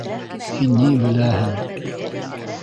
Һин ни беләһең?